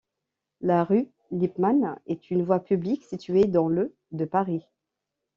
La rue Lippmann est une voie publique située dans le de Paris.